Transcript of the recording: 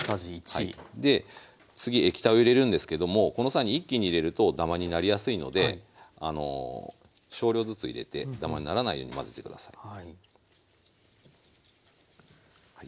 で次液体を入れるんですけどもこの際に一気に入れるとダマになりやすいので少量ずつ入れてダマにならないように混ぜて下さい。